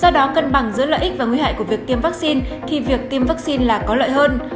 do đó cân bằng giữa lợi ích và nguy hại của việc tiêm vaccine thì việc tiêm vaccine là có lợi hơn